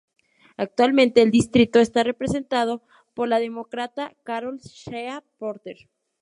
Actualmente el distrito está representado por la Demócrata Carol Shea-Porter.